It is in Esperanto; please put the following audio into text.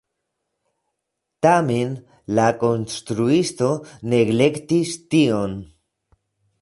Tamen la konstruisto neglektis tion.